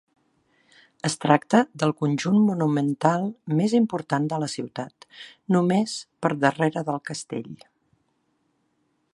Es tracta del conjunt monumental més important de la ciutat, només per darrere del Castell.